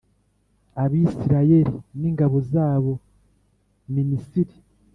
Abisirayeli n ingabo zabo mimisiri